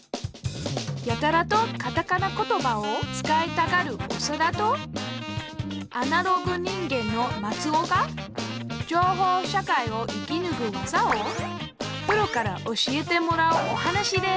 やたらとカタカナ言葉を使いたがるオサダとアナログ人間のマツオが情報社会を生きぬく技をプロから教えてもらうお話です